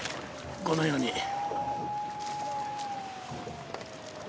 このように。